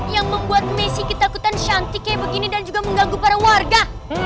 yang membuat messi ketakutan cantik kayak begini dan juga mengganggu para warga